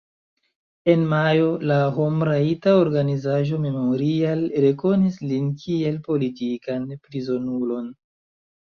En majo la homrajta organizaĵo Memorial rekonis lin kiel politikan prizonulon.